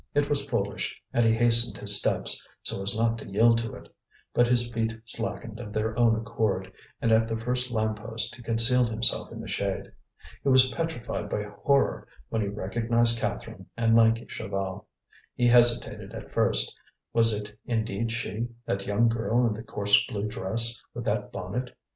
It was foolish, and he hastened his steps, so as not to yield to it; but his feet slackened of their own accord, and at the first lamppost he concealed himself in the shade. He was petrified by horror when he recognized Catherine and lanky Chaval. He hesitated at first: was it indeed she, that young girl in the coarse blue dress, with that bonnet?